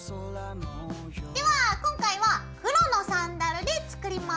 では今回は黒のサンダルで作ります。